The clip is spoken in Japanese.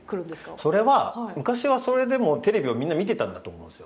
それは昔はそれでもテレビをみんな見てたんだと思うんですよ。